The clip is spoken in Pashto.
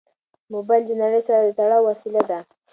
موبایل د نړۍ سره د تړاو وسیله ده.